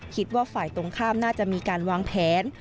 คิดว่าฝ่ายตรงข้ามน่าจะมีการวางแผน